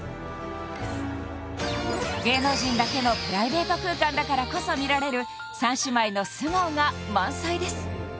芸能人だけのプライベート空間だからこそ見られる三姉妹の素顔が満載です